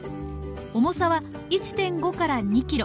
重さは１．５２ｋｇ。